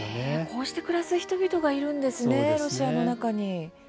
こうして暮らす人々がいるんですね、ロシアの中に。